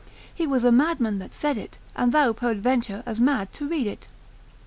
He was a madman that said it, and thou peradventure as mad to read it.